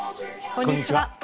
こんにちは。